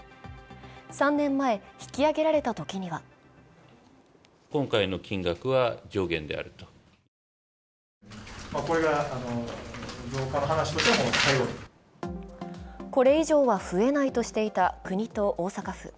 ３年前、引き上げられたときにはこれ以上は増えないとしていた国と大阪府。